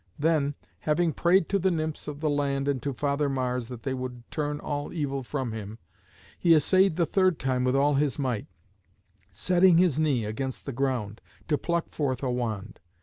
Then, having prayed to the nymphs of the land and to Father Mars that they would turn all evil from him, he essayed the third time with all his might, setting his knee against the ground, to pluck forth a wand.